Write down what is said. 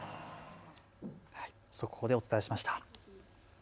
速報でお伝えしました。